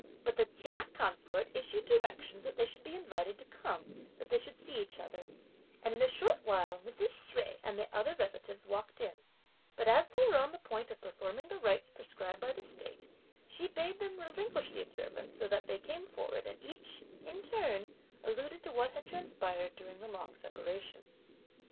But the Chia consort issued directions that they should be invited to come that they should see each other; and in a short while, Mrs. Hsüeh and the other relatives walked in, but as they were on the point of performing the rites, prescribed by the state, she bade them relinquish the observance so that they came forward, and each, in turn, alluded to what had transpired during the long separation.